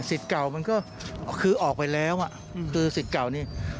เก่ามันก็คือออกไปแล้วคือสิทธิ์เก่านี่